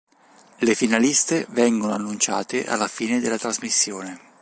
Le finaliste vengono annunciate alla fine della trasmissione.